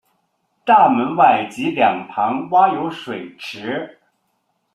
大门外及两旁挖有水池。